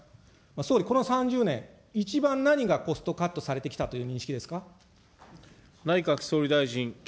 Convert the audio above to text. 総理、この３０年、一番何がコストカットされてきたという認識ですか。